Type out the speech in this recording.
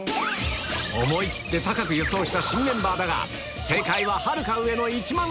思い切って高く予想した新メンバー正解ははるか上！